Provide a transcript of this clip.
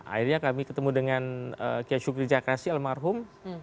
akhirnya kami ketemu dengan kiyosuke jakashi almarhum